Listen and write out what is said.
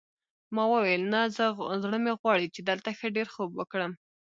ما وویل نه زړه مې غواړي چې دلته ښه ډېر خوب وکړم.